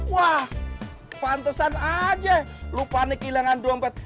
wah pantesan aja lu panik ilangan dompet